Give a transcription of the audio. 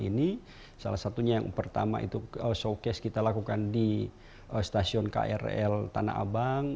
ini salah satunya yang pertama itu showcase kita lakukan di stasiun krl tanah abang